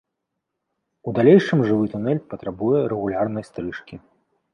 У далейшым жывы тунэль патрабуе рэгулярнай стрыжкі.